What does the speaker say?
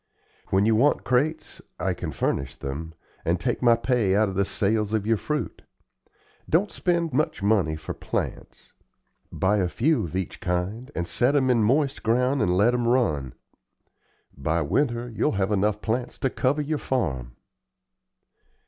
When you want crates, I can furnish them, and take my pay out of the sales of your fruit. Don't spend much money for plants. Buy a few of each kind, and set 'em in moist ground and let 'em run. By winter you'll have enough plants to cover your farm."